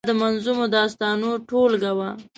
دا د منظومو داستانو ټولګه وه.